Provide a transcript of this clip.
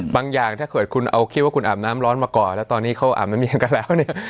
อย่างถ้าเกิดคุณเอาคิดว่าคุณอาบน้ำร้อนมาก่อนแล้วตอนนี้เขาอาบน้ำเมียงกันแล้วเนี่ย